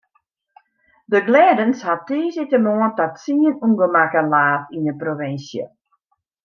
De glêdens hat tiissdeitemoarn ta tsien ûngemakken laat yn de provinsje.